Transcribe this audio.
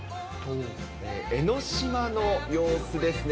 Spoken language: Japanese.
江の島の様子ですね。